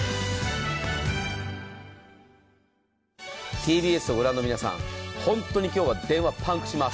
ＴＢＳをご覧の皆さん、本当に今日は電話パンクします。